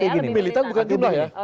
lebih militan bukan jumlah ya